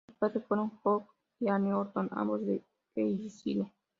Sus padres fueron John y Anne Horton, ambos de Derbyshire.